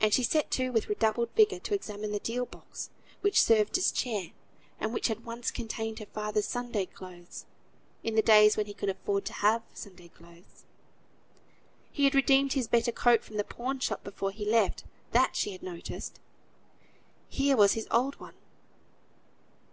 And she set to with redoubled vigour to examine the deal box which served as chair, and which had once contained her father's Sunday clothes, in the days when he could afford to have Sunday clothes. He had redeemed his better coat from the pawn shop before he left, that she had noticed. Here was his old one.